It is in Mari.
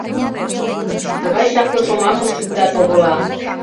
Тыгай чапле шомакым шӱктат огыла.